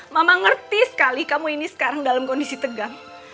mama ngerti sekali kamu ini sekarang dalam kondisi tegang